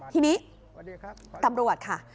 ทีนี้ตำรวจค่ะ